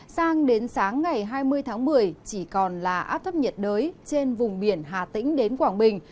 sang đến sáng ngày hai mươi tháng một mươi chỉ còn là áp thấp nhiệt đới trên vùng biển hà tĩnh đến quảng bình